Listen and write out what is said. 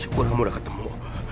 syukur kamu udah ketemu